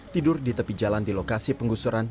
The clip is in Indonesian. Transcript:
tidur di tepi jalan di lokasi penggusuran